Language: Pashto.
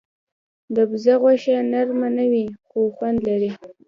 د بزه غوښه نرم نه وي، خو خوند لري.